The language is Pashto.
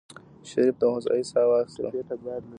شريف د هوسايۍ سا واخيستله.